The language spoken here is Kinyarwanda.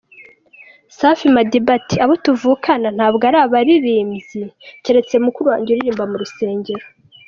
Safi Madiba: Abo tuvukana ntabwo baririmba, keretse mukuru wanjye uririmba mu rusengero.